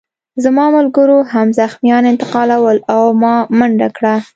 زما ملګرو هم زخمیان انتقالول او ما منډه کړه